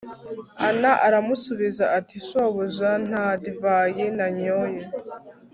ana aramusubiza ati shobuja, nta divayi nanyoye